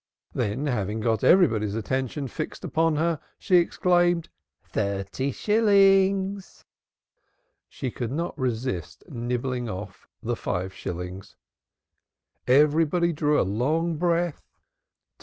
Then, having got everybody's attention fixed upon her, she exclaimed: "Thirty shillings!" She could not resist nibbling off the five shillings. Everybody drew a long breath. "Tu!